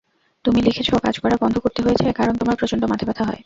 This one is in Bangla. তুমি লিখেছ, কাজ করা বন্ধ করতে হয়েছে, কারণ তোমার প্রচণ্ড মাথাব্যথা হয়।